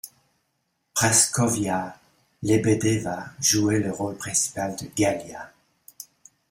Praskovya Lebedeva jouait le rôle principal de Galia.